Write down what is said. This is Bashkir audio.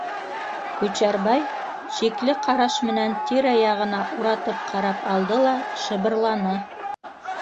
Күчәрбай шикле ҡараш менән тирә-яғына уратып ҡарап алды ла шыбырланы: